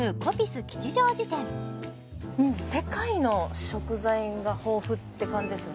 世界の食材が豊富って感じですよね